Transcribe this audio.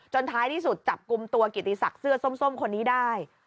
ท้ายที่สุดจับกลุ่มตัวกิติศักดิ์เสื้อส้มคนนี้ได้